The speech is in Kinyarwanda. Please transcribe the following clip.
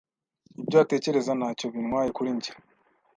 Ibyo atekereza ntacyo bintwaye kuri njye.